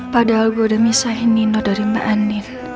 padahal gue udah misahin nino dari mbak hanif